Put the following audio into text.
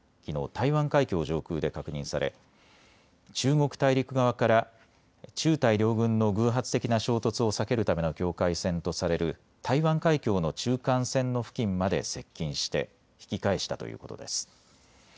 台湾海峡上空で確認され中国大陸側から中台両軍の偶発的な衝突を避けるための境界線とされる台湾海峡の中間線の付近まで接近して引き返したということです。